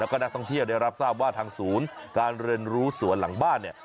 แล้วก็นักท่องเที่ยวได้รับทราบว่าทางศูนย์การเรียนรู้สวนหลังบ้านเนี่ย